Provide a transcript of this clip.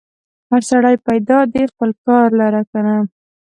هر سړی پیدا دی خپل خپل کار لره که نه؟